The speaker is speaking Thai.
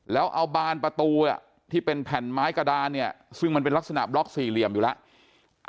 แล้วเอาบานประตูที่เป็นแผ่นไม้กระดานเนี่ยซึ่งมันเป็นลักษณะบล็อกสี่เหลี่ยมอยู่แล้ว